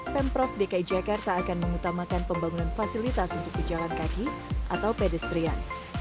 pemprov dki jakarta akan mengutamakan pembangunan fasilitas untuk pejalan kaki atau pedestrian